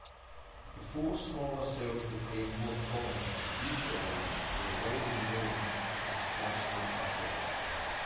Before smaller cells became more common, D cells were widely known as flashlight batteries.